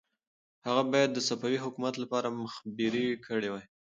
هغه باید د صفوي حکومت لپاره مخبري کړې وای.